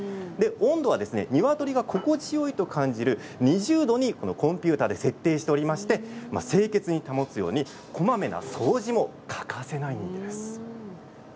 温度は、にわとりが心地よいと感じる２０度にコンピューターで設定して清潔に保つようこまめな掃除も欠かさないんです。